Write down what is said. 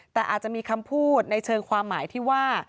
แต่อาจจะมีคำพูดในเชิงความหมายที่ว่า